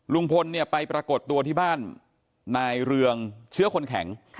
ลุงพลเนี่ยไปปรากฏตัวที่บ้านนายเรืองเชื้อคนแข็ง